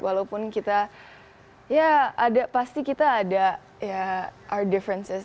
walaupun kita ya ada pasti kita ada ya our differences